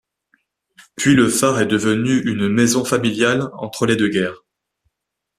Puis le phare est devenu une maison familiale entre les deux guerres.